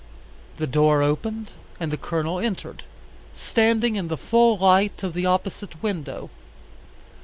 The door opened and the Colonel entered, standing in the full light of the opposite window.